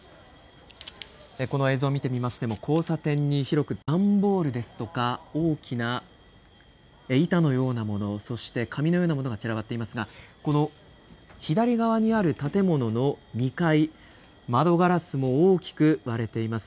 この映像見てみましても交差点に広く段ボールですとか、大きな板のようなもの、そして紙のようなものが散らばっていますがこの左側にある建物の２階窓ガラスも大きく割れています。